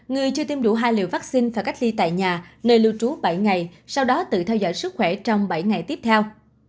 người chưa tiêm đủ hai liều vaccine và cách ly tại nhà nơi lưu trú bảy ngày sau đó tự theo dõi sức khỏe trong bảy ngày tiếp theo